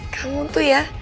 kamu tuh ya